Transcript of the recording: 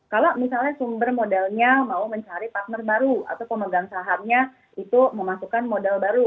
kalau misalnya sumber modalnya mau mencari partner baru atau pemegang sahamnya itu memasukkan modal baru